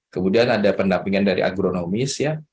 kemudian ada pendampingan dari agronomis ya